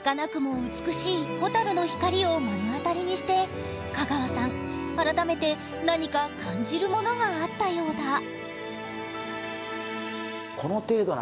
はかなくも美しい蛍の光を目の当たりにして香川さん、改めて何か感じるものがあったようだ。